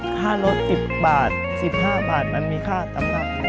ค่ารถสิบบาทสิบห้าบาทมันมีค่าตำรักอยู่ครับ